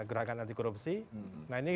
gerakan anti korupsi nah ini